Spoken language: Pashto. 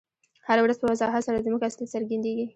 هره ورځ په وضاحت سره زموږ اصلیت څرګندیږي.